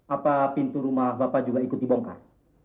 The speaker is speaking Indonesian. apa pintu rumah bapak juga ikut dibongkar